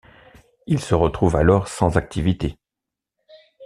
Il se retrouve alors sans activité.